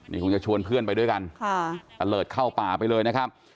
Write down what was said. นี่คงจะชวนเพื่อนไปด้วยกันค่ะตะเลิศเข้าป่าไปเลยนะครับ